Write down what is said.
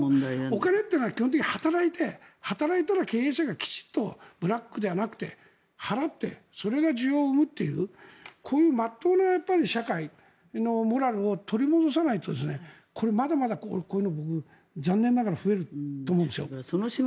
お金は、働いて働いたら経営者がブラックではなくて払ってそれが需要を生むというこういう真っ当な社会のモラルを取り戻さないとこれ、まだまだこういうの僕、残念ながら増えると思うんですよ。